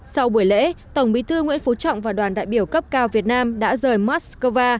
sau buổi lễ tổng bí thư nguyễn phú trọng và đoàn đại biểu cấp cao việt nam đã rời moscow